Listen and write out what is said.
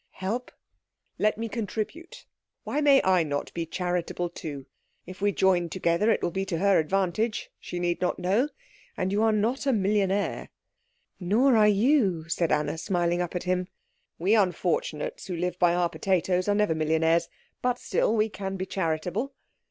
"Help?" "Let me contribute. Why may I not be charitable too? If we join together it will be to her advantage. She need not know. And you are not a millionaire." "Nor are you," said Anna, smiling up at him. "We unfortunates who live by our potatoes are never millionaires. But still we can be charitable."